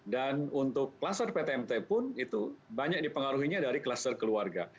dan untuk cluster pt mt pun itu banyak dipengaruhinya dari cluster keluarga